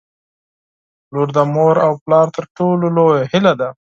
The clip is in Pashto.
• لور د مور او پلار تر ټولو لویه هیله ده.